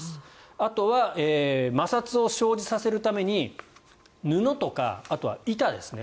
あとは摩擦を生じさせるために布とか、あとは板ですね。